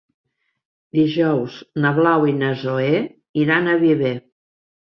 Dijous na Blau i na Zoè iran a Viver.